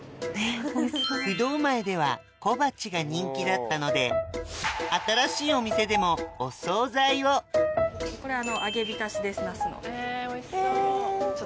不動前では小鉢が人気だったので新しいお店でもお総菜をこれ揚げ浸しですナスの。